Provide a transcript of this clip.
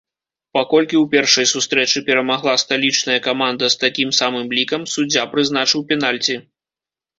Паколькі ў першай сустрэчы перамагла сталічная каманда з такім самым лікам, суддзя прызначыў пенальці.